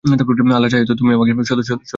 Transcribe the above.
আল্লাহ চাহে তো তুমি আমাকে সদাচারী রূপে পাবে।